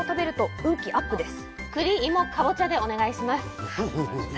栗、芋、かぼちゃでお願いします。